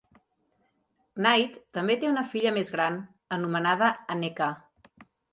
Knight també té una filla més gran, anomenada Aneka.